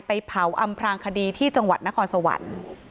เผาอำพลางคดีที่จังหวัดนครสวรรค์